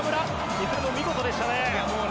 いずれも見事でしたね。